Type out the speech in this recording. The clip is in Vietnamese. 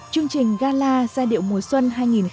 chương trình gala giai điệu mùa xuân hai nghìn một mươi chín